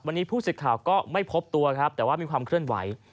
วันนี้ผู้สื่อข่าวก็ไม่พบตัวครับแต่ว่ามีความเคลื่อนไหว